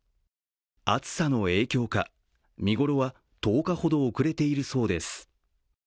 暑さの影響か、見頃は１０日ほど遅れているそうです。